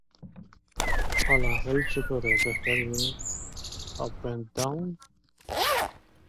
McMillan was defeated by Democrat Lane Evans in November.